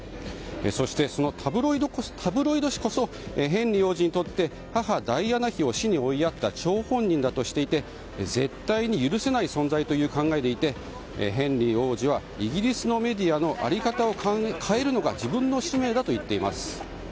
そして、そのタブロイド紙こそヘンリー王子にとって母ダイアナ妃を死に追いやった張本人だとしていて絶対に許せない存在だという考えでいてヘンリー王子はイギリスのメディアの在り方を変えるのが自分の使命だと言っています。